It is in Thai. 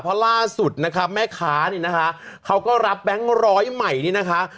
เพราะล่าสุดนะคะแม่ค้านี่นะคะเขาก็รับแบงค์ร้อยใหม่นี่นะคะ